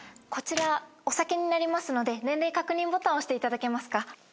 こちらお酒になりますので年齢確認ボタンを押していただけますか？